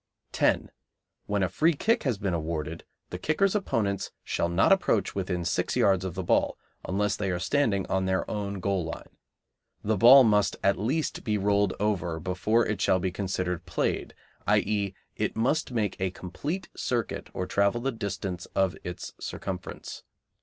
10. When a free kick has been awarded, the kicker's opponents shall not approach within six yards of the ball, unless they are standing on their own goal line. The ball must at least be rolled over before it shall be considered played, i.e., it must make a complete circuit or travel the distance of its circumference.